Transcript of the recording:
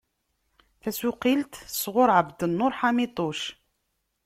Tasuqqilt sɣur Ɛebdnnur Ḥamituc.